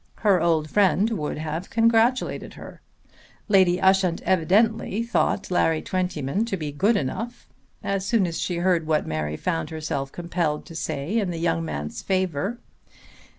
Her old friend would have congratulated her. Lady Ushant evidently thought Larry Twentyman to be good enough as soon as she heard what Mary found herself compelled to say in the young man's favour.